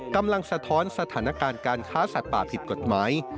สะท้อนสถานการณ์การค้าสัตว์ป่าผิดกฎหมาย